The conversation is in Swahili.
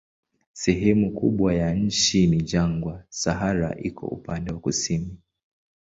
Sehemu kubwa ya nchi ni jangwa, Sahara iko upande wa kusini.